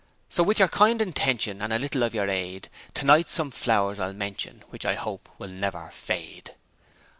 So with your kind intention and a little of your aid, Tonight some flowers I'll mention which I hope will never fade.'